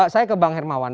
saya ke bang hermawan